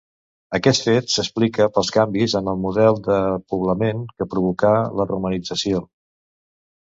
Aquest fet s'explica pels canvis en el model de poblament que provocà la romanització.